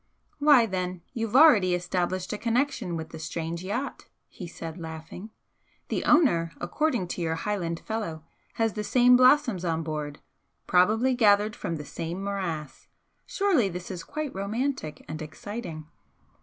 "Why, then, you've already established a connection with the strange yacht!" he said, laughing "The owner, according to your Highland fellow, has the same blossoms on board, probably gathered from the same morass! surely this is quite romantic and exciting!"